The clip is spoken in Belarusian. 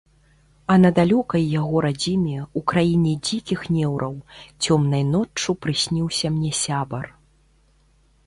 А на далёкай яго радзіме, у краіне дзікіх неўраў, цёмнай ноччу прысніўся мне сябар.